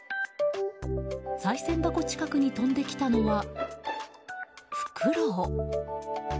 さい銭箱近くに飛んできたのはフクロウ。